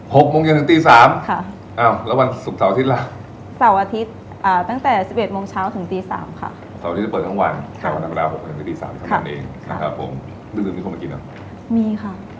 หกโมงเย็นจนถึงตีสามค่ะอ่าวแล้ววันศวกสัวนสิบที่อะไร